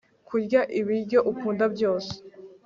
kurya ibiryo ukunda byose